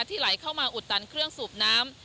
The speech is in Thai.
ไหลเข้ามาอุดตันเครื่องสูบน้ำ